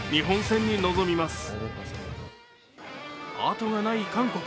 後がない韓国。